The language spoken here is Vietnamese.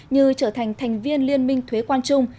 như trở thành thành viên liên minh thuế quan chung